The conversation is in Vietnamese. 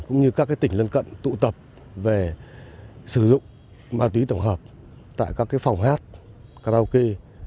cũng như các tỉnh lân cận tụ tập về sử dụng ma túy tổng hợp tại các phòng hát karaoke